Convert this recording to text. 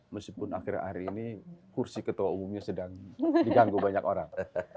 meskipun akhir akhir ini kursi ketua umumnya sedang diganggu banyak orang